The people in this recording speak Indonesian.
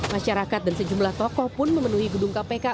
masyarakat dan sejumlah tokoh pun memenuhi gedung kpk